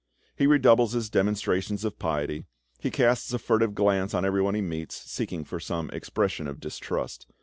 He redoubles his demonstrations of piety, he casts a furtive glance on everyone he meets, seeking for some expression of distrust.